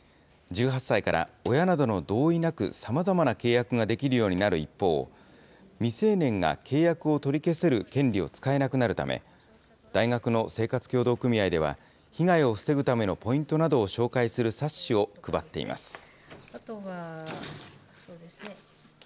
１８歳から親などの同意なく、さまざまな契約ができるようになる一方、未成年が契約を取り消せる権利を使えなくなるため、大学の生活協同組合では、被害を防ぐためのポイントなどを紹介する冊子を配っています。